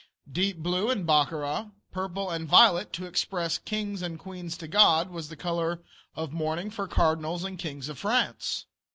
Deep blue in Bokhara. Purple and violet, to express "kings and queens to God," was the color of mourning for cardinals and kings of France.